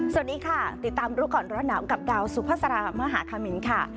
สวัสดีค่ะติดตามรู้ก่อนร้อนหนาวกับดาวสุภาษามหาคมินค่ะ